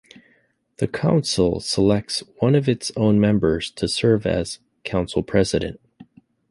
The Council selects one of its own members to serve as Council President.